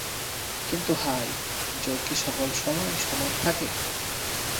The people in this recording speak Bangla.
কিন্তু হায়, জোর কি সকল সময় সমান থাকে?